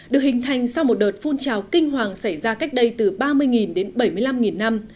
được hình thành sau một đợt phun trào kinh hoàng xảy ra cách đây từ ba mươi đến bảy mươi năm năm